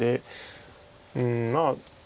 うんまあ。